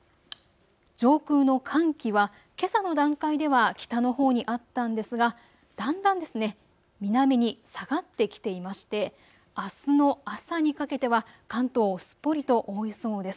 上空の寒気は、けさの段階では北のほうにあったんですがだんだん南に下がってきていまして、あすの朝にかけては関東をすっぽりと覆いそうです。